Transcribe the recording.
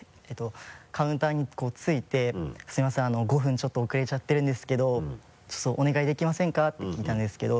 カウンターに着いて「すいません５分ちょっと遅れちゃってるんですけどちょっとお願いできませんか？」て聞いたんですけど。